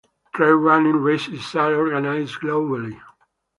Trail running races are organised globally.